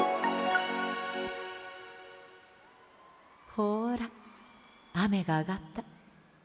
ほらあめがあがった。